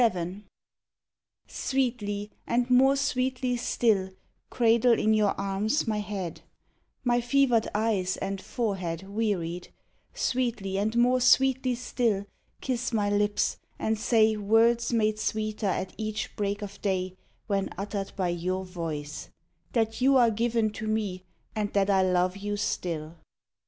VII Sweetly and more sweetly still Cradle in your arms my head, My fevered eyes and forehead wearied; Sweetly and more sweetly still Kiss my lips and say Words made sweeter at each break of day When uttered by your voice: That you are given to me and that I love you still.